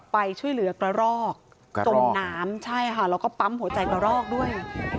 ไปช่วยเหลือกระรอกจมน้ำใช่ค่ะแล้วก็ปั๊มหัวใจกระรอกด้วย